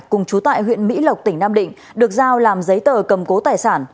cùng chú tại huyện mỹ lộc tỉnh nam định được giao làm giấy tờ cầm cố tài sản